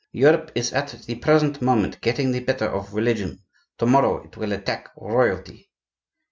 Europe is at the present moment getting the better of religion; to morrow it will attack royalty."